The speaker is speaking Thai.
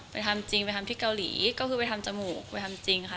ทำจริงไปทำที่เกาหลีก็คือไปทำจมูกไปทำจริงค่ะ